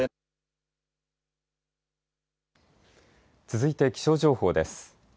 続いて気象情報です。